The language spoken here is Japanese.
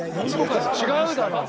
違うだろ。